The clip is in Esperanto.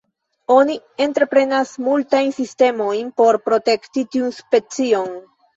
Oni entreprenas multajn sistemojn por protekti tiun specion.